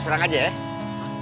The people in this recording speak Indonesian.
serang aja ya